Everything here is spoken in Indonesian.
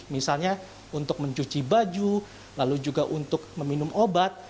misalnya untuk mencuci baju lalu juga untuk meminum obat